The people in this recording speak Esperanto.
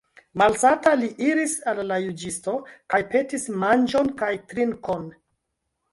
Malsata li iris al la juĝisto kaj petis manĝon kaj trinkon.